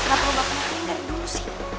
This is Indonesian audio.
kenapa lo gak pernah lihat gue sih